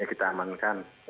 ya kita amankan